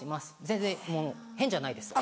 全然変じゃないです。